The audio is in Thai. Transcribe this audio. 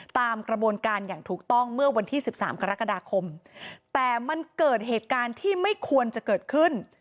ตามกระบวนการอย่างถูกต้องเมื่อวันที่๑๓กรกฎาคมแต่มันเกิดเหตุการณ์ที่ไม่ควรจะเกิดขึ้น